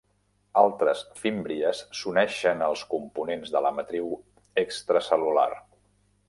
Altres fímbries s'uneixen als components de la matriu extracel·lular.